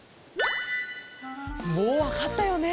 もうわかったよね？